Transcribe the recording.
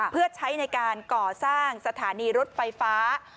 เพื่อใช้ในการก่อสร้างสถานีรถไฟฟ้า